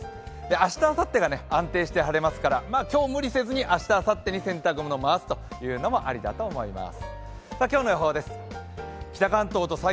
明日あさってが安定して晴れますから今日無理せずに明日あさってに洗濯物を回すというのもありだと思います。